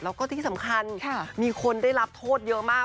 แล้วก็ที่สำคัญมีคนได้รับโทษเยอะมาก